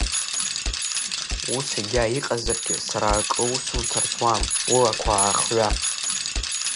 Ус егьа иҟазаргьы, сара акы усымҭар зуам, улақәа аахҩа.